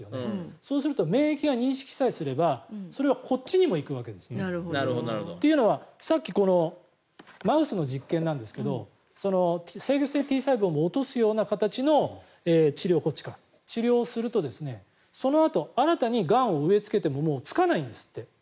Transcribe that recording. そうすると免疫が認識さえすればそれはこっちにも行くわけですね。というのは、さっきマウスの実験なんですが制御性Ｔ細胞も落とすような形の治療をするとそのあと新たにがんを植えつけてもつかないんですって。